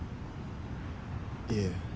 いえ。